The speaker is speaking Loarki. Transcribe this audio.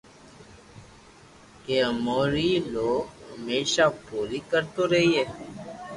ڪہ اموري او ھميسہ پوري ڪرتو رھئي